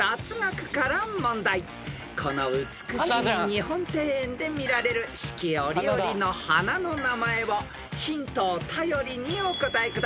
［この美しい日本庭園で見られる四季折々の花の名前をヒントを頼りにお答えください］